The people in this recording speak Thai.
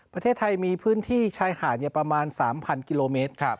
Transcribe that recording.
ประเทศไทยมีพื้นที่ชายหาดประมาณ๓๐๐กิโลเมตร